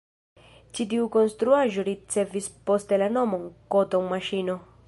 Ĉi tiu konstruaĵo ricevis poste la nomon „koton-maŝino“.